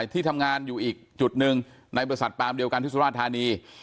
ที่ทำงานอยู่อีกจุดหนึ่งในบริษัทปามเดียวกันที่สุราธานี